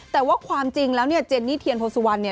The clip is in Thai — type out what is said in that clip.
แต่ว่าความจริงแล้วเจนนี่เทียนโภสุวรรณ